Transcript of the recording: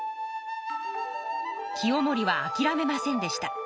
清盛はあきらめませんでした。